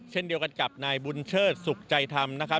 เช่นเดียวกับบุญเชิญสุขใจทำ